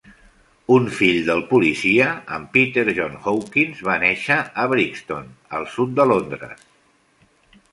Un fill del policia, en Peter John Hawkins, va néixer a Brixton, al sud de Londres.